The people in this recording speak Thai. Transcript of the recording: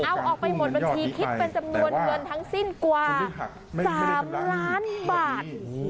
เอาออกไปหมดบัญชีคิดเป็นจำนวนเงินทั้งสิ้นกว่า๓ล้านบาท